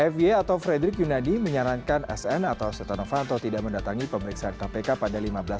f y atau frederick yunadi menyarankan sn atau setanofanto tidak mendatangi pemeriksaan kpk pada lima belas